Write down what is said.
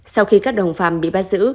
sau khi các đồng phạm bị bắt giữ